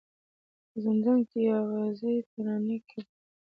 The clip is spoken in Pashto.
په زندان کي یې آغازي ترانې کړې